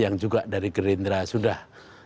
yang juga dari gerindra sudah